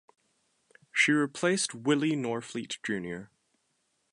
She replaced Willie Norfleet Jr.